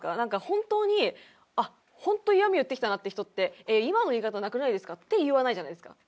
ホントにあっホント嫌み言ってきたなって人って「今の言い方なくないですか？」って言わないじゃないですか。